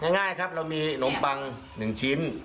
ง่ายครับเรามีหนมปังหนึ่งชิ้น